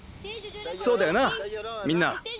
そうだよなみんな？